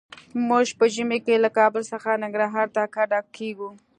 موږ په ژمي کې له کابل څخه ننګرهار ته کډه کيږو.